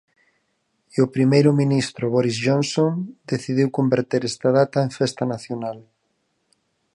E o primeiro ministro Boris Jonhson decidiu converter esta data en festa nacional.